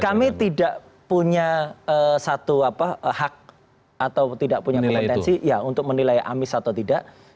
kami tidak punya satu hak atau tidak punya kompetensi ya untuk menilai amis atau tidak